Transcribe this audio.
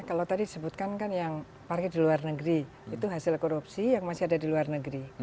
kalau yang tadi disebutkan yang sparks di luar negeri itu masalah korupsi yang masih ada di luar negeri